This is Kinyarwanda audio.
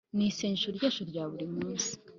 ni isengesho ryacu rya buri munsi